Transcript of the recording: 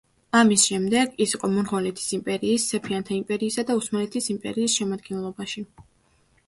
ამის შემდეგ, ის იყო მონღოლეთის იმპერიის, სეფიანთა იმპერიისა და ოსმალეთის იმპერიის შემადგენლობაში.